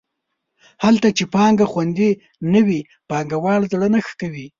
هلته چې پانګه خوندي نه وي پانګوال زړه نه ښه کوي.